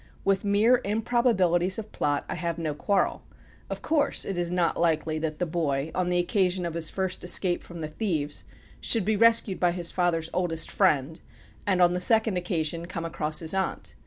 With mere improbabilities of plot, I have no quarrel. Of course it is not likely that the boy, on the occasion of his first escape from the thieves, should be rescued by his father's oldest friend, and, on the second occasion, come across his aunt.